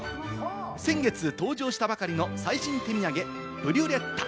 先月登場したばかりの最新手土産、ブリュレッタ。